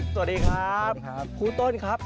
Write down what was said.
สวัสดีครับครูต้นครับ